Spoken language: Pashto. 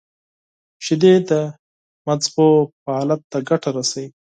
• شیدې د مغز فعالیت ته ګټه رسوي.